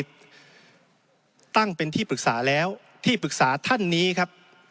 ตั้งเป็นที่ปรึกษาแล้วที่ปรึกษาท่านนี้ครับ